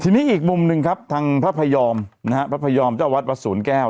ทีนี้อีกมุมหนึ่งครับทางพระพยอมนะฮะพระพยอมเจ้าวัดวัดศูนย์แก้ว